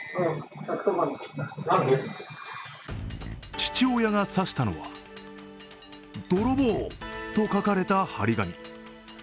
父親が指したのは、ドロボウ！と書かれた貼り紙。